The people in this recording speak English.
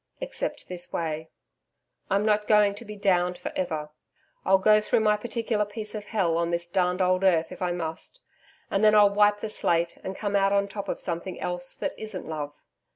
Except this way I'm not going to be DOWNED for ever. I'll go through my particular piece of hell, on this darned old earth if I must, and then I'll wipe the slate and come out on top of something else that isn't love.